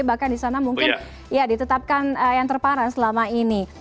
bahkan di sana mungkin ya ditetapkan yang terparah selama ini